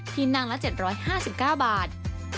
ที่นั่งละ๗๕๙บาท